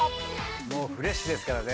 もうフレッシュですからね。